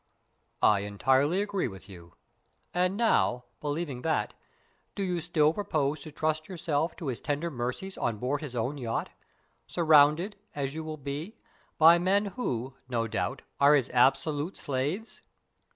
"I entirely agree with you. And now, believing that, do you still propose to trust yourself to his tender mercies on board his own yacht, surrounded, as you will be, by men who, no doubt, are his absolute slaves?"